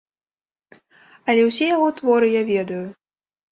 Але ўсе яго творы я ведаю.